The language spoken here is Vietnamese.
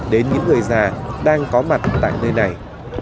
đến những người già đang có mặt tại nơi này